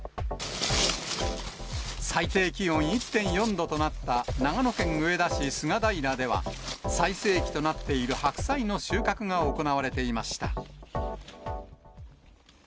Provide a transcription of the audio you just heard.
最低気温１．４度となった、長野県上田市菅平では、最盛期となっている白菜の収穫が行われていました。